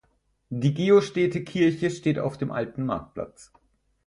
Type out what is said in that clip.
Die geostete Kirche steht auf dem alten Marktplatz.